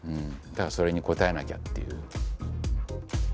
だからそれに応えなきゃっていう。